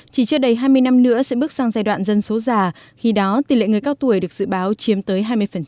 chỉ chưa đầy hai mươi năm nữa sẽ bước sang giai đoạn dân số già khi đó tỷ lệ người cao tuổi được dự báo chiếm tới hai mươi